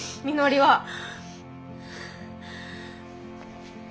みのりは。